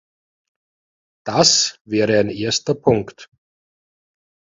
Das wäre ein erster Punkt.